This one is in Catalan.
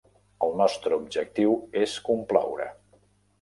El nostre objectiu és complaure